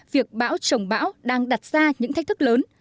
việc bão trồng bão đang đặt ra những thách thức lớn